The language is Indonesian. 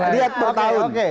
lihat per tahun